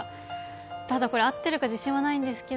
ただ、これ合ってるか自信はないんですが。